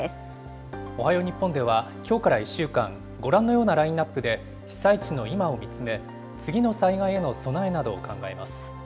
おはよう日本ではきょうから１週間、ご覧のようなラインナップで、被災地の今を見つめ、次の災害への備えなどを考えます。